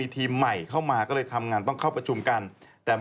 ตามเรื่องของเขาอยู่แล้ว